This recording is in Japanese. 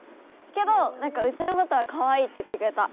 けどなんかうちのことはかわいいって言ってくれた。